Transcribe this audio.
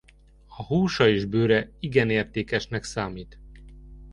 A húsa és bőre igen értékesnek számít.